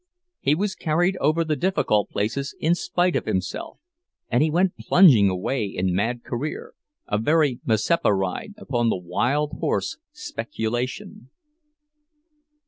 He was carried over the difficult places in spite of himself; and he went plunging away in mad career—a very Mazeppa ride upon the wild horse Speculation.